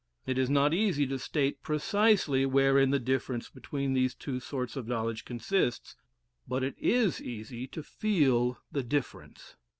It is not easy to state precisely wherein the difference between these two sorts of knowledge consists, but it is easy to feel the difference.